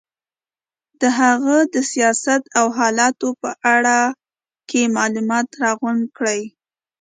د هغه د سیاست او حالاتو په باره کې معلومات راغونډ کړي.